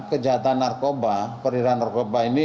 kejahatan narkoba periran narkoba ini